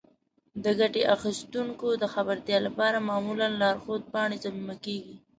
د ګټې اخیستونکو د خبرتیا لپاره معمولا لارښود پاڼې ضمیمه کیږي.